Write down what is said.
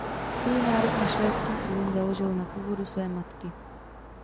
Svůj nárok na švédský trůn založil na původu své matky.